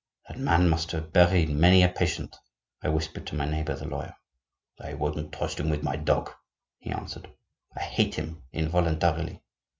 "That man must have buried many a patient," I whispered to my neighbor the lawyer. "I wouldn't trust him with my dog," he answered. "I hate him involuntarily."